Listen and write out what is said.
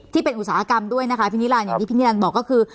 อุตสาหกรรมด้วยนะคะพี่นิรันดิอย่างที่พี่นิรันดิ์บอกก็คือ